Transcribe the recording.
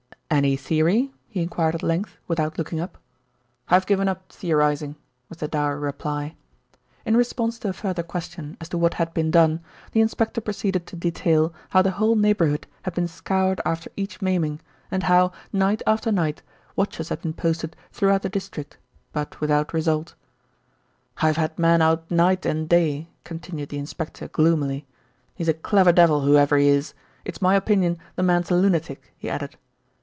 "Any theory?" he enquired at length, without looking up. "I've given up theorising," was the dour reply. In response to a further question as to what had been done, the inspector proceeded to detail how the whole neighbourhood had been scoured after each maiming, and how, night after night, watchers had been posted throughout the district, but without result. "I have had men out night and day," continued the inspector gloomily. "He's a clever devil whoever he is. It's my opinion the man's a lunatic," he added.